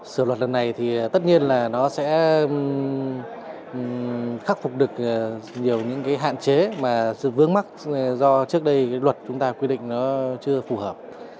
sửa luật lần này thì tất nhiên là nó sẽ khắc phục được nhiều những hạn chế mà sự vướng mắt do trước đây luật chúng ta quy định nó chưa phù hợp